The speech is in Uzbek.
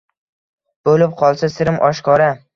Bo’lib qolsa sirim oshkora